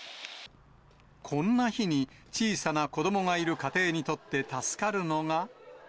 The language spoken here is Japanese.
こんな日に、小さな子どもがいる家庭にとって助かるのが。